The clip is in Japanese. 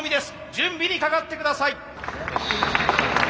準備にかかって下さい。